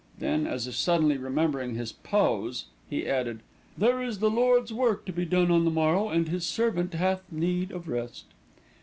Then, as if suddenly remembering his pose, he added, "There is the Lord's work to be done on the morrow, and His servant hath need of rest."